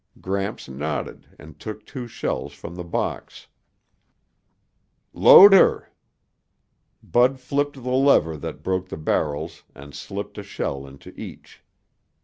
Gramps nodded and took two shells from the box. "Load her." Bud flipped the lever that broke the barrels and slipped a shell into each.